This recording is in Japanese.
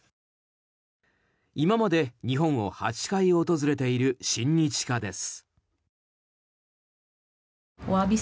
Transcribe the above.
今まで日本を８回訪れている親日家です。